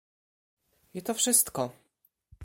"I to wszystko."